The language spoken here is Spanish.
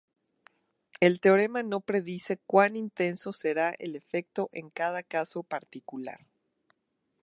El teorema no predice cuán intenso será el efecto en cada caso particular.